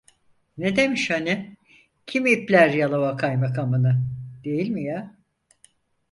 Ne demiş hani: "Kim ipler Yalova kaymakamını!" Değil mi ya…